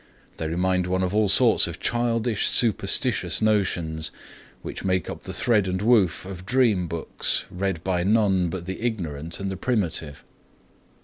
They remind one of all sorts of childish, superstitious notions, which make up the thread and woof of dream books, read by none but the ignorant and the primitive.